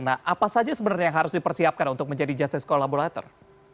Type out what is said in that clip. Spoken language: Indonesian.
nah apa saja sebenarnya yang harus dipersiapkan untuk menjadi justice collaborator